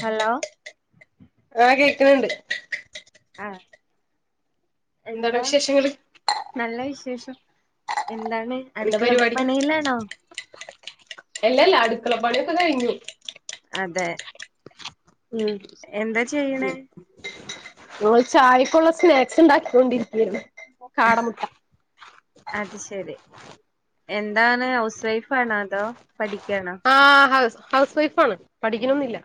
Hello ആ കേക്കുന്നുണ്ട് ആഹ് എന്താണ് എന്താ വിശേഷങ്ങള് നല്ല വിശേഷം എന്താണ് എന്താ അടുക്കള പണീലാണോ അല്ലല്ല അടുക്കള പണിയൊക്ക കഴിഞ്ഞ് അതെ ഉം എന്താ ഉം ചെയ്യണേ നമ്മള് ചായക്കൊള്ള സ്നാക്സ് ഒണ്ടാക്കൊണ്ടിരിക്കാര്ന്ന് [unintelligible] അത് ശെരി എന്താണ് ഹൗസ് വൈഫാണോ അതോ പഠിക്കാണോ ആ ഹൗസ് ഹൗസ് വൈഫാണ് പഠിക്കണൊന്നില്ല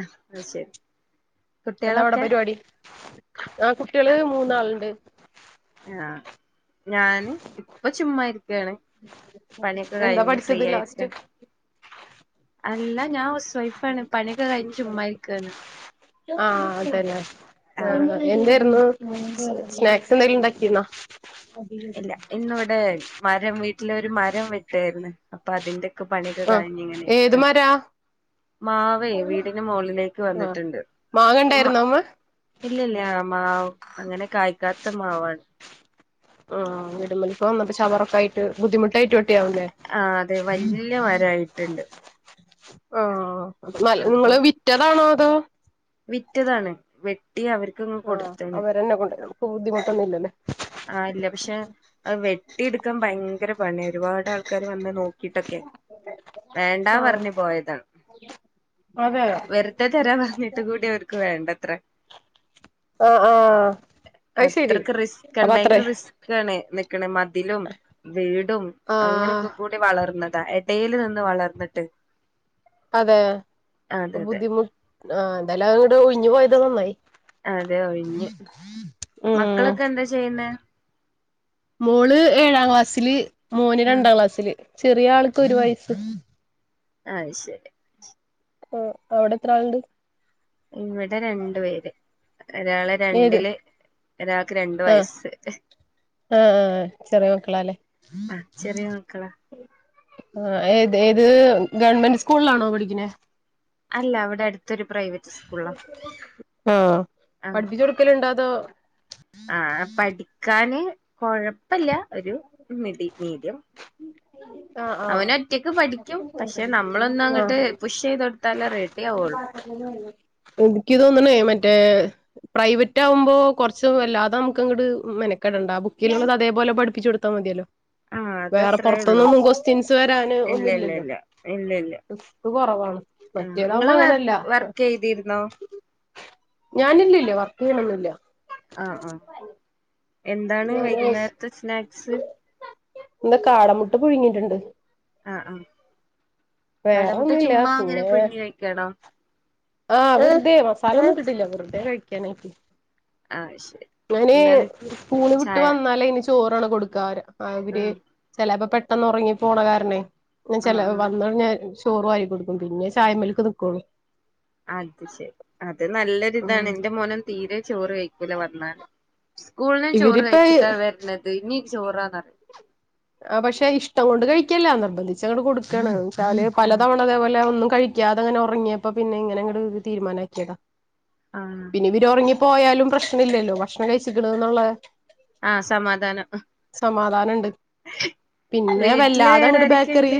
ആഹ് അത് ശരി എന്താവിടെ കുട്ടികളൊക്കെ പരിപാടി ആ കുട്ടികള് മൂന്നാളുണ്ട് ആഹ് ഞാന് ഇപ്പൊ ചുമ്മാരിക്കാണ് പണിയൊക്കെ എന്താ കഴിഞ്ഞ് പഠിച്ചത് ഫ്രീയായിട്ട് ലാസ്റ്റ് അല്ല ഞാൻ ഹൗസ് വൈഫാണ് പണിയൊക്കെ കഴിഞ്ഞ് ചുമ്മാരിക്കാണ്‌ ആഹ് അതന്നെ ആഹ് എന്താര്ന്നു സ് സ്നാക്സ് എന്തേലുണ്ടാക്കീര്ന്നോ ഇല്ല ഇന്നിവിടെ മരം വീട്ടില ഒരു മരം വെട്ടാര്ന്നു അപ്പൊ അതിന്റെ ക്ക പണിയൊക്കെ ആഹ് കഴിഞ്ഞ് ഏത് ഇങ്ങനിരിക്കാ മരാ മാവേ വീടിന്റെ മോളിലേക്ക് ആഹ് വന്നിട്ടുണ്ട് മാങ്ങ ഉമ ഉണ്ടായിരുന്നോ അമ്മ ഇല്ലില്ല ആ മാവ് അങ്ങനെ കായ്ക്കാത്ത മാവാണ് ആഹ് ഇടുമലപ്പ വന്ന് ചവർപ്പായിട്ട് ബുദ്ധിമുട്ടായിട്ട് വെട്ടിയാവുല്ലേ ആ അതെ വല്യ മരായിട്ടുണ്ട് ഓഹ് നല്ല അപ്പൊ നിങ്ങള് വിറ്റതാണോ അതോ വിറ്റതാണ് വെട്ടി അവർ ആഹ് അവരന്നെ കൊണ്ടെരും നമുക്ക് ബുദ്ധിമുട്ടൊന്നുല്ലല്ലോ ആ ഇല്ല പക്ഷെ അത് വെട്ടിയെടുക്കാൻ ഭയങ്കര പണി ഒരുപാട് ആൾക്കാര് വന്ന് നോ കിട്ടക്കെ വേണ്ടാ ആഹ് പർഞ്ഞ് പോയതാണ്. അതെ വെർതെ തരാ പർഞ്ഞിട്ട് കൂടി ഓര്ക്ക് വേണ്ടത്രെ. ഓഹ് ഓഹ് അയ്ശരി. അത്രക്ക് റിസ്ക്കാണ് ഭയങ്കര റിസ്ക്കാണ് നിക്ക്ണ് മതിലും വീടും ആഹ് അങ്ങനൊക്കെ കൊ കൂടി വളർന്നതാ എടേല് നിന്ന് വളർന്ന്ട്ട്. അതെ അതെ അതെ ബുദ്ധിമു ആഹ് എന്താല് അങ്ങട് ഒയ്ഞ്ഞു പോയത് നന്നായി. അതെ ഒഴിഞ്ഞ്, ഉം മക്കളൊക്കെ എന്താ ചെയ്യുന്നേ? മോള് ഏഴാം ക്ലാസ്സില് മോന് ആഹ് രണ്ടാം ക്ലാസ്സില് ചെറിയ ആൾക്ക് ഒരു വയസ്സ്. അഅ്‌ ശരി. ആഹ് അവടെ എത്ര ആള്ണ്ട്? ഇവടെ രണ്ട് പേര് ഒരാളെ ഏത് രണ്ടില് ഒരാൾക്ക് രണ്ടുവയസ്സ്. ആഹ് ആഹ് ആഹ് ചെറീയേ മക്കളാല്ലെ. ആഹ് ചെറീയേ മക്കളാ. ആഹ് ഏത് ഏത് ഗവൺമെന്റ് സ്കൂൾലാണോ പഠിക്ക്ണെ? അല്ല അവടെ അടുത്തൊരു പ്രൈവറ്റ് സ്കൂൾളാ. ആഹ് പഠിപ്പിച്ച് കൊടുക്കല്ണ്ടോ അതോ ആഹ് പഠിക്കാന് കൊഴപ്പല്ല്യാ ഒര് മിഡി മീഡിയം ആഹ്. അവന് ഒറ്റക്ക് ആഹ് പഠിക്കും പക്ഷെ നമ്മളൊന്നും അങ്ങട്ട് പുഷ് ചെയ്ത് കൊടുത്താലേ റെഡി ആവുള്ളൂ ആഹ്. ഇൻക്ക് തോന്ന്നെയ് മറ്റേ പ്രൈവറ്റ് ആവുംമ്പോ കൊർച്ച് വല്ലാതെ ന്നമുക്ക് ങ്ങട് മെനക്കടണ്ട ബുക്കില്ള്ളത് അതേപോലെ പഠിപ്പിച്ചോട്ത്താ മതിയല്ലോ. ആഹ് അത് വേറെ അത്രേയേള്ളു പുറത്തുന്നൊന്നും ക്വസ്റ്റ്യൻസ് വരാന് ഇല്ല ഒന്നും ഇല്ല ഇല്ലല്ലോ ഇല്ല്യ ഇല്ല ഇല്ല്യാ. ഇത് കുറവാണ് ആഹ് മറ്റേതാവുമ്പോ ങ്ങള് വർ അങ്ങനെയല്ല വർക്കയ്തിര്ന്നോ? ഞാനില്ലില്ല വർക്ക്യ്യ്ണൊന്നുല്ല. ആഹ് ആഹ് എന്താണ് ഞാന് വൈകുന്നേര്ത്തെ സ്നാക്സ്? എന്താ കാട മുട്ട പുഴുങ്ങീട്ട്ണ്ട്. ആഹ് ആഹ്, കാട വേറെ മുട്ട ഒന്നുമില്ല ചുമ്മാ അങ്ങനെ പിന്നെ പ്ഴുങ്ങി വെക്കാണോ? ആഹ് വെർതെ മസാലൊന്നുട്ട്ട്ടില്ല വെർതെ കഴിക്കാനായിട്ട്. ആഹ് ശെരി. ഞാനെ പ്പൂള് വ്ട്ട് വന്നാല് അയ്ന് ചോറാണ് കൊടുക്കാ അ അവരെ ആഹ് ചെലപ്പോ പെട്ടെന്ന് ഒറങ്ങി പോണകാര്ണേയ് ഞ ആഹ് ചെല വന്ന ഞാൻ ചോറ് വാരികൊടുക്കും പിന്നെ ചായമ്മേൽക്ക് ന്ന്ക്കോള്ളു. അത് ശെരി, അത് ഉം നല്ലൊരിതാണ് ന്റെ മോന് തീരെ ചോറ് കയ്ക്കൂല വന്നാല്. സ്കൂൾന്ന് ചോറ് ഇവരിപ്പ കയ്ച്ചിട്ടാ വര്ണത് ഇനിയും ചോറാണോറിം. ആഹ് പക്ഷെ ഇഷ്ടം കൊണ്ട് കഴിക്കല്ല നിർബന്ധിച്ച് അങ്ങട് കൊടുക്കാണ് ന്നച്ചാല് പല ആഹ് തവണ അതേപൊലേ ഒന്നും കഴി ക്കാതങ്ങനെ ഒറങ്ങിയപ്പോ പിന്നെ ഇങ്ങനെങ്ങട് തീരുമാനാക്കിയേതാ. ആഹ്. ഇനി ഇവര് ഒറങ്ങി പോയാലും പ്രശ്നം ഇല്ലല്ലോ ഭക്ഷണം കഴ്ച്ച്ക്ക്ണ്ന്ന്ള്ളാ ആഹ് സമാധാനം. സമാധാനണ്ട് പിന്നെ വീട്ടില് വല്ലാതെ വേറെ അങ്ങട് ബേക്കറി ആരൊക്കെയുണ്ട്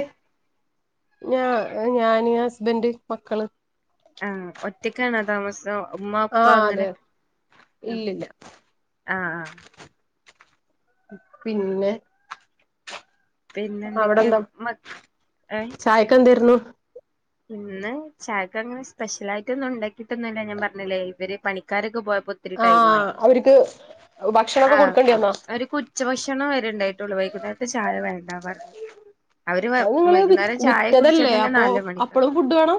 ഞാ ഞാന് ഹസ്ബൻ്റ് മക്കള്. ആഹ് ഒറ്റക്കാണോ താമസ് ഉമ്മ ഉപ്പ ആഹ് അങ്ങനെ അതെ ആഹ് ഇല്ലില്ല ആഹ്. പിന്നെ? പിന്നെ എന്തൊക്കെയാ അവിടെന്താ മ ഏഹ് ചായക്കെന്തായിരുന്നു? ഇന്ന് ചായക്ക് അങ്ങനെ സ്പെഷ്യലായിട്ടൊന്നും ഇണ്ടാക്കിയിട്ടൊന്നുല്ല ഞാൻ പറഞ്ഞില്ലേ ഇവര് പണിക്കാരൊക്കെ പോയപ്പോ ഒത്തിരി ടൈമായി ആഹ് അവരിക്ക് ഭക്ഷണൊക്കെ കൊടുക്കേണ്ടി വന്നോ? ഉച്ച ഭക്ഷണം വരെ ഇണ്ടായിട്ടൊള്ളൂ വൈകുന്നേരത്തെ ചായ വേണ്ട പറഞ്ഞു അവര് അത് നിങ്ങള് വി വൈകുന്നേരം ചായ വിറ്റതല്ലേ കുടിച്ചത്തന്നെ അപ്പൊ നാല് മണി അപ്പളും ഫുഡ് വേണം?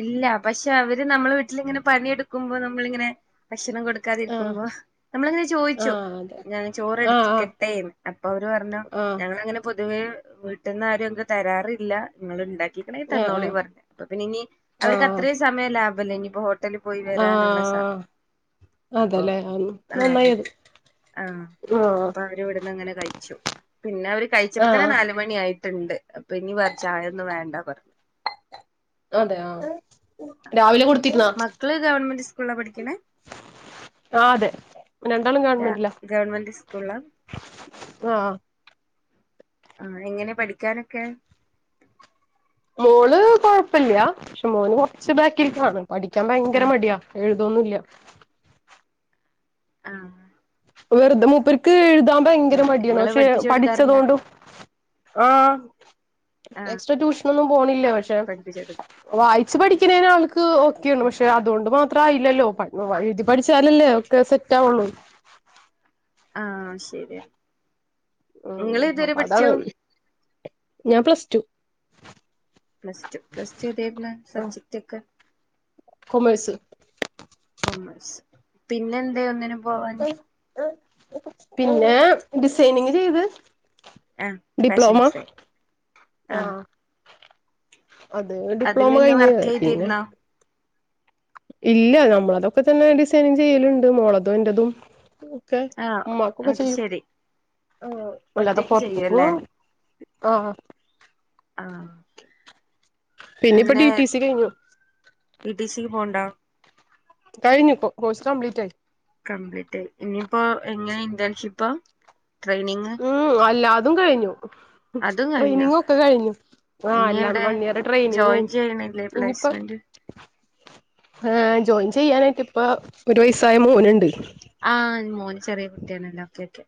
ഇല്ല പക്ഷെ അവര് നമ്മളെ വീട്ടിലിങ്ങനെ പണിയെടുക്കുമ്പോ നമ്മളിങ്ങനെ ഭക്ഷണം കൊട് ആഹ് ക്കാതിരിക്കുമ്പം നമ്മളിങ്ങനെ ചോയിച്ചും ആഹ് അതെ ഞൻ ചോറ് ആഹ് ആഹ് എടുക്കട്ടേന്ന് അപ്പൊ അവര് പറഞ്ഞു ആഹ് ഞങ്ങളങ്ങ നെ പൊതുവേ വീട്ട്ന്നാരും എന്തു തരാറില്ല ഇങ്ങള് ഇണ്ടാക്കി തന്നണോളി ആഹ് പറഞ്ഞു അപ്പൊ പിന്നെ ഇനി അവർക്ക് ആഹ് അത്രയും സമയം ലാഭല്ലേ ഇഞ്ഞ്പ്പോ ഹോ ട്ടല് പോയി വരാനുള്ള സമയം ആഹ് അപ്പൊ അതെല്ലേ ആഹാ നന്നായി ആഹ് അത് ആഹ് ആഹ് അപ്പൊ അവര് ഇവിടുന്നങ്ങനെ കഴിച്ചു പിന്നെ അവര് കഴിച്ചപ്പത്തന്നെ ആഹ് നാല് മണി ആയിട്ട്ണ്ട് അപ്പൊ ഇനി വേറ ചായൊന്നും വേണ്ട പറ അതെ ആഹ് രാവിലെ കൊടുത്തിരുന്നാ? മക്കള് ഗവൺമെന്റ് സ്കൂളിലാ പഠിക്ക്ണേ? ആഹ് അതെ രണ്ടാളും ഗവൺമെന്റ്ല ഗവൺമെന്റ് സ്കൂളാ ആഹ് ആഹ് എങ്ങനെ പഠിക്കാനൊക്കെ? മോള് കൊഴപ്പല്ല്യ പക്ഷെ മോന് കൊറച്ച് ബാക്കിൽക്കാണ് പഠിക്കാൻ ആ ഭയങ്കര മടിയാ എഴ് തൊന്നുല്ല്യ ആഹ് വെറുതെ മൂപ്പര്ക്ക് എഴുതാൻ ഭയങ്കര അതെ മടിയാണ് നിങ്ങള് പക്ഷെ പഠിപ്പിച്ചു കൊടുക്കാറുണ്ടാ പഠിച്ചതോണ്ടോ ആഹ് ആ എക്സ്ട്രാ ട്യൂഷനൊന്നും പോണില്ല്യ പക്ഷെ പഠിപ്പിച്ചോടു വായിച്ച് പഠിക്ക്ണേന് ആൾക്ക് ഓക്കെയാണ് പക്ഷെ അതുകൊണ്ട് മാ ത്രായില്ലല്ലോ? എഴുതി പഠിച്ചാലല്ലേ ഒക്കെ സെറ്റാവൊള്ളൂ ആഹ് ശരിയാ ഉം ഇങ്ങള് ഏതുവരെ അപ്പൊ അതാണ് പഠിച്ചു? ഞാൻ plus two plus two plus two ഏതായിര്ന്ന് സബ്ജക്റ്റ്ക്കെ? കോമേഴ്‌സ് കൊമേഴ്സ് പിന്നെന്താ ഒന്നിനും പോവാന് പിന്നെ ഡിസൈനിങ് ചെയ്ത് ആഹ് ഫാഷൻ ഡിപ്ലോമ ഡിസൈൻ ആഹ് അത് അതില് ഡിപ്ലോമ പിന്നെ കഴിഞ്ഞ് വർക്ക് പിന്നെ ചെയ്തിരുന്നോ ഇല്ല നമ്മളതൊക്കെ തന്നെ ഡിസൈനിങ് ചെയ്യല്ണ്ട് മോളതും എന്റതും ഒക്കെ ആ ഉമ്മാക്കൊക്കെ അത് ചെയ്യും ശരി ഓ അല്ലാതെ ഒറ്റക്ക് പൊർത്ത്ക്ക്‌ ചെയ്യുവല്ലേ ആഹ് ആ ആഹ് ഒക്കെ പിന്നെപ്പൊ ടി ടി സി കഴിഞ്ഞു ടി ടി സിക്ക് പോവ്ണ്ടോ? കഴിഞ്ഞു ഇപ്പൊ കോഴ്സ് കംപ്ലീറ്റായി കംപ്ലീറ്റ് ആയി ഇഞ്ഞ്പ്പോ എങ്ങനെ ഇന്റേൺഷിപ്പ ട്രെയിനിങ്ങോ? മ് എല്ലാതും കഴിഞ്ഞു അതും കഴിഞ്ഞോ ട്രെയിനിങ്ങൊക്ക കഴിഞ്ഞു ആഹ് ഇനി എല്ലാം എവിടെ വൺ ഇയർ ട്രെയിനിങ് ജോയിൻ കഴിഞ്ഞു ചെയ്യണില്ലേ ഇഞ്ഞ്പ്പോ പ്ലേസ്മെന്റ് ഏഹ് ജോയിൻ ചെയ്യാനായിട്ട് ഇപ്പ ഒരു വയസ്സായ മോന്ണ്ട് ആഹ് മോന് ചെറിയ കുട്ടിയാണല്ലോ ഓക്കെ ഓക്കെ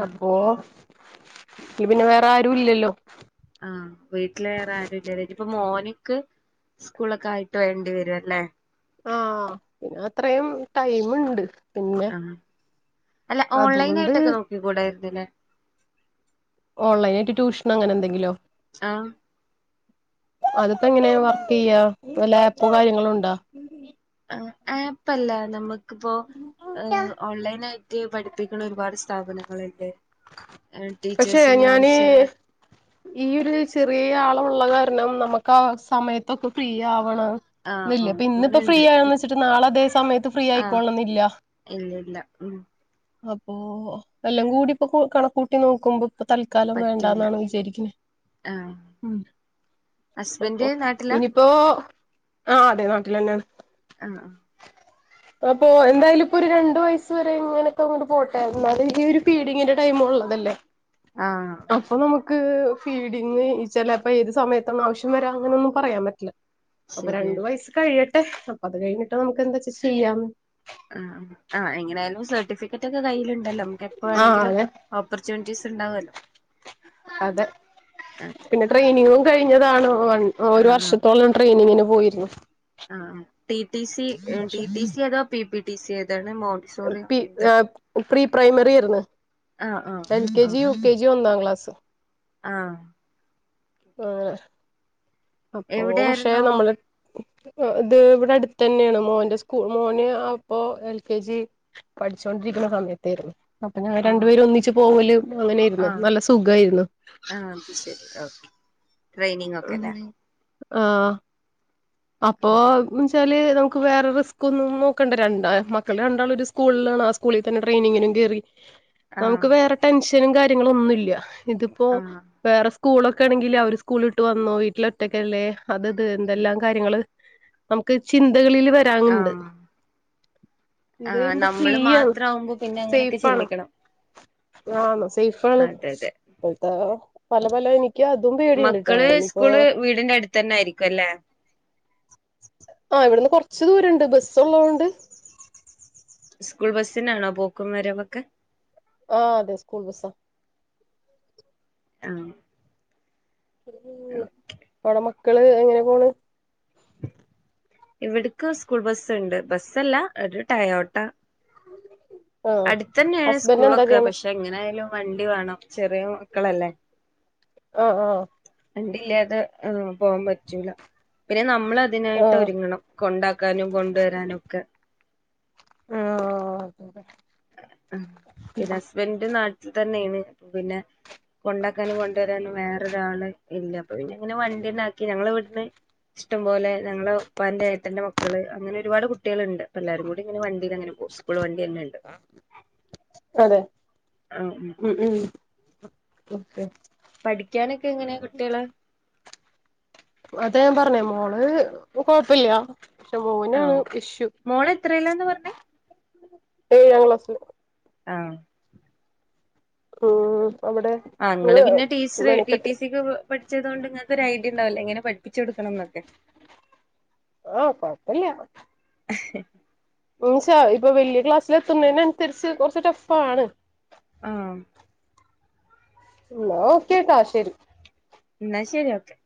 ആഹ് അപ്പോ ഇ പിന്നെ വേറെ ആരു ഇല്ലല്ലോ ആഹ് വീട്ടില് വേറെ ആരുഇലല്ലോ ഇനിപ്പോ മോന് ക്ക്‌ സ്കൂളൊക്കെ ആയിട്ട് വേണ്ടി വരു അല്ലേ ആഹ് പിന്നെ അത്രയും ടൈമ്ണ്ട് ആഹ അല്ല ഓൺലൈൻ അതുകൊണ്ട് ആയിട്ടൊക്കെ നോക്കി കൂടായിരുന്നില്ലേ ഓൺലൈനായിട്ട് ട്യൂഷൻ അങ്ങനെ എന്തെങ്കിലോ ആഹ് അതിപ്പോ എങ്ങനെ വർക്കെയ്യാ ലാപ്പ് കാര്യങ്ങളു ഉണ്ട ആഹ് ആപ്പല്ല നമ ക്കി‌പ്പോ ഏഹ് ഓൺലൈൻ ആയിട്ട് പഠിപ്പിക്ക്‌ണെ ഒരുപാട് സ്ഥാപനങ്ങള്ണ്ട് എഹ് ടീച്ചേഴസിന് ആവശ്യള്ള ഈയോര് ചെറീ ആള് ഉള്ള കാരണം നമക്കാ സമയത്തൊക്കെ ഫ്രീ ആവണം ആഹ് വല്യ ആഹ് ഇന്ന്പ്പോ ഫ്രീ അങ്ങനെണ്ട് ആണന്ന് വെച്ചിട്ട് നാളെ അതേ സമയത്ത് ഫ്രീ ആയിക്കോള്ളണന്നില്ല ഇലില്ലാ ഉം അപ്പോ എല്ലങ്കൂടി ഇപ്പോ കു കണക്കൂട്ടി നോക്കുമ്പോ ഇപ്പ തൽക്കാലം പറ്റൂല വേണ്ടന്നാണ് വിചാരിക്കുന്നെ ആഹ് ഉം ഹസ്ബൻഡ് അപ്പൊ നാട്ടിലാ ഇനിയിപ്പോ ആഹ് അതെ നാട്ടിലെന്നണ് ആഹ് ആഹ് അപ്പൊ എന്തായാലും ഇപ്പോ ഒരു രണ്ടു വയസ്സ് വരെ ഇങ്ങനൊക്കെ അങ്ങട്ട് പോട്ടെ എന്നാല് ഈയൊരു ഫീഡിങ്ങിന്റെ ടൈം ഉള്ളതല്ലേ ആഹ് അപ്പൊ നമക്ക് ഫീഡിങ് ഈ ചെലപ്പ ഏത് സമയത്താണ് ആവശ്യം വരാ അങ്ങനൊന്നും പറയാൻ പറ്റില്ല അപ്പ രണ്ടു ശരിയാണ് വയസ്സ് കഴിയട്ടെ അപ്പ അത് കഴിഞ്ഞിട്ട് നമക്ക് എന്തച്ച ചെയ്യാം ആഹ് ആഹ് എങ്ങനയാലും സർട്ടിഫിക്കറ്റ് ഒക്കെ കയ്യിലുണ്ടല്ലോ നമുക്ക് എപ്പാ ആഹ് വണെങ്കിലും അതെ ഓപ്പർച്യൂണിറ്റീസ് ഉണ്ടാവുല്ലോ അതെ അതെ പിന്നെ ട്രെയിനിങ്ങും കഴിഞ്ഞതാണ് വൺ ഒരു ആഹ് വർഷത്തോളം ട്രെയിനിങ്ങിന് പോയിരുന്നു ആഹ് ആഹ് ടി ടി സി ഏഹ് ടി പക്ഷെ ടി സി അതോ പി പി ടി സി ഏതാണ് മോഡ് പി ഞാപ് പ്രീ പ്രൈമറി ആരുന്നു ആഹ് ആഹ് L K G, U okay K G ഒന്നാം ക്ലാസ് ആഹ് ആഹ് അപ്പോ പക്ഷെ എവിടെയായിരുന്നു നമ്മള് ഉം ഇത് ഇവിടെ അടുത്തന്നെയാണ് മോന്റെ സ്കൂ മോന് അപ്പൊ എൽ കെ ജി പഠിച്ചോണ്ടിരിക്കുന്ന സമയത്തേരുന്നു അപ്പ ഞങ ആഹ് രണ്ടുപേരും ഒന്നിച്ച് പോവലെ അങ്ങനെ ആരുന്നു ആഹ് നല്ല സുഖയിരുന്നു ആഹ് അത് ശരി ഓക്കെ ട്രെയിനിങ് ആ ഒക്കെ അല്ലേ [unintelligible] ആഹ് അപ്പൊ ന്ന് വെച്ചാല് നമുക്ക് വേറെ റിസ്ക് ഒന്നും നോക്കണ്ട രണ്ട മക്കൾ രണ്ടാളും ഒരു സ് കൂൾ ആണ് ആ സ്കൂളിൽ തന്നെ ട്രെയിനിങ്ങിനും കെറി ആഹ് നമുക്ക് വേറെ ടെൻഷനും കാര്യങ്ങളും ഒന്നുല്ല ഇതിപ്പോ ആഹ് വേറെ സ് കൂളൊക്കെ ആണെങ്കിൽ അവര് സ്കൂളിട്ട് വന്നോ വീട്ടില ഒറ്റക്കല്ലേ അത് ത് എന്തെല്ലാം കാര്യങ്ങള് നമുക്ക് ചിന്തകളില് വരാന്ണ്ട് ആഹ് ആ ഇത് ചെയ്യുമ്പോ ഫ്രീ നമ്മള് ആണ്. മാത്രാവുമ്പോ പിന്നെ അങ്ങനെയൊക്കെ സെയ്ഫാണ്. ചിന്തിക്കണം ആഹ് ആണ് സെയ്ഫാണ്. അതെ അതെ ഇപ്പഴത്തെ പല പല നി യ്ക്കതും പേടിണ്ട് ട്ടോ നിപ്പോ വീടിന്റടുത്തെന്നായിരിക്കു അല്ലെ? ആഹ് ഇവിടുന്ന് കൊർച്ച് ദൂര ണ്ട് ബസ്സ് ള്ളോണ്ട് സ്കൂൾ ബസ്സിനാണോ പോക്കും വരവൊക്കെ? ആഹ് അതെ സ്കൂൾ ബസ്സാ. ആഹ് [inaudible] ഓള മക്കള് എങ്ങനെ പോണ്? ഇവിട്ക്ക് സ്കൂൾ ബസ്സുണ്ട്. ബസ്സല്ല ഒരു ടയോട്ട. ആഹ് അടുത്തെന്നെയാണ് ഹസ്ബൻഡ് എന്താ സ്കൂളൊക്കെ ചെയ്യണ് പഷ് തെങ്ങനായാലും വണ്ടി വേണം ചെറിയ മക്കളല്ലേ. ആഹ് ആഹ് വണ്ടിയില്ലാതെ പോകാൻ പറ്റൂല പിന്നെ നമ്മളതിനായിട്ടൊ ആഹ് രുങ്ങണം. കൊണ്ടാക്കാനും കൊണ്ടുവരാനും ഒക്കെ. ആഹ് [inaudible] അഹ് പിന്നസ്ബൻഡ് നാട്ടിൽ തന്നെയാണ് പിന്നെ കൊണ്ടാക്കാനും കൊണ്ടുവരാനും വേ റൊരാള് ഇല്ല അപ്പ പിന്ന ഇങ്ങനെ വണ്ട്യെന്നാക്കി ഞങ്ങള് വീട്ട്ന്ന് ഇഷ്ടം പോലെ ഞങ്ങള പ്പാന്റെ ഏട്ടന്റെ മക്കള് അങ്ങനെ ഒരുപാട് കുട്ടികൾണ്ട് പ്പല്ലാരും കൂടി ങ്ങനെ വണ്ടിലങ്ങനെ പോവും. സ്കൂൾ വണ്ട്യെന്നെണ്ട്. [inaudible] അതെ അ ഉം ഉ ഉം ഓക്കെ പഠിക്കാനൊക്കെ എങ്ങനെയാ കുട്ട്യള്? അത ഞാൻ പറഞ്ഞേ മോള് കൊഴപ്പല്ല. പക്ഷെ ആ മോനാണ് ഇഷ്യു. മോള് എത്രയിലാന്ന് പറഞ്ഞേ ഏഴാം ക്ലാസ്സ് ആഹ് ഊം അവിടെ ആണ് ങ്ങള് നിങ്ങള് പിന്നെ ടീച്ചർ ടി ടി മെനക്കെട്ട് സിക്കൊ കെ പഠിച്ചതോണ്ട് ങ്ങക്കൊരയ് ഡിയണ്ടാവുല്ലെ എങ്ങനെ പഠി പ്പിച്ച് കൊടുക്കണം ന്നൊക്കെ. ആഹ് കൊഴപ്പല്ല. [unintelligible] ഇപ്പൊ വെല്ല്യ ക്ലാസ്സിലെത്തുന്നതിനനുസരിച്ച് കൊർച്ച് ടഫാണ്. ആഹ്. ന്നാ ഓക്കേട്ടൊ ശരി. ന്നാ ശരി ഓക്കെ.